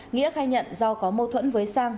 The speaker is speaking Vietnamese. nghĩa khai nhận do có mâu thuẫn với sang